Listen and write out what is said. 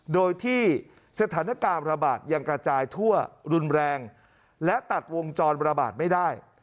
โดยที่สถานการณ์ระบาดยังกระจายทั่วรุนแรงและตัดวงจรระบาดไม่ได้